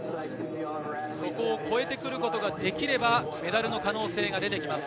そこを超えてくることができれば、メダルの可能性が出てきます。